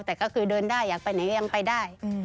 แต่ก็คือเดินได้อยากไปไหนก็ยังไปได้